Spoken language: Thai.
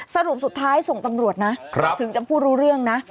สรุปสุดท้ายส่งตำรวจนะถึงจะพูดรู้เรื่องนะ